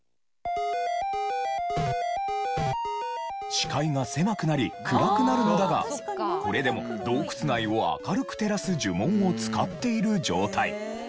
視界が狭くなり暗くなるのだがこれでも洞窟内を明るく照らす呪文を使っている状態。